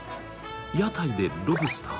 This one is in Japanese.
屋台でロブスター？